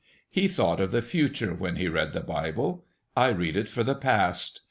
He thought of the future when he read the Bible; I read it for the past.